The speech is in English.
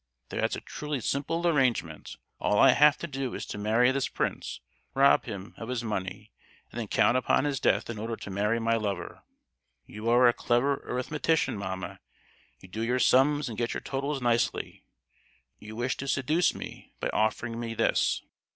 "That's a truly simple arrangement! All I have to do is to marry this prince, rob him of his money, and then count upon his death in order to marry my lover! You are a clever arithmetician, mamma; you do your sums and get your totals nicely. You wish to seduce me by offering me this!